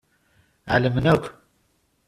Ɛelmen akk.